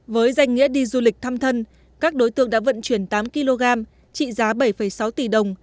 với danh nghĩa đi du lịch thăm thân các đối tượng đã vận chuyển tám kg trị giá bảy sáu tỷ đồng